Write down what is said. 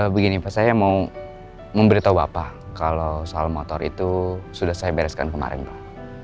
begini pak saya mau memberitahu bapak kalau soal motor itu sudah saya bereskan kemarin pak